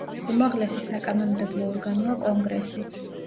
უმაღლესი საკანონმდებლო ორგანოა კონგრესი.